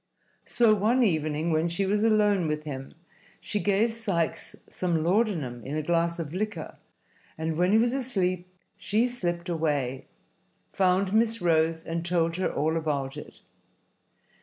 So one evening, when she was alone with him, she gave Sikes some laudanum in a glass of liquor, and when he was asleep she slipped away, found Miss Rose and told her all about it.